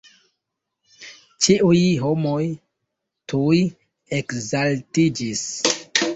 Ĉiuj homoj tuj ekzaltiĝis.